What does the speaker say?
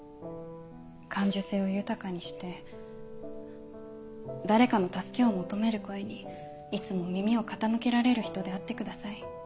感受性を豊かにして誰かの助けを求める声にいつも耳を傾けられる人であってください。